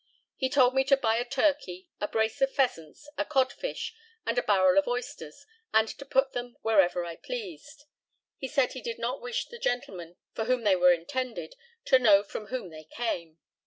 He told me to buy a turkey, a brace of pheasants, a codfish, and a barrel of oysters; and to buy them wherever I pleased. He said he did not wish the gentleman for whom they were intended to know from whom they came.